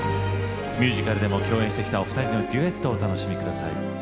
ミュージカルでも共演してきたお二人のデュエットをお楽しみ下さい。